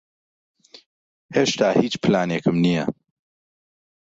ھێشتا ھیچ پلانێکم نییە.